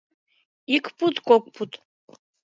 Ик пуд, кок пуд, —